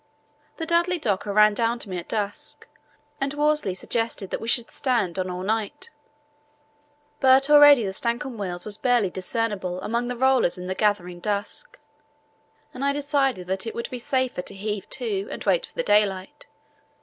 The Dudley Docker ran down to me at dusk and Worsley suggested that we should stand on all night; but already the Stancomb Wills was barely discernible among the rollers in the gathering dusk, and I decided that it would be safer to heave to and wait for the daylight.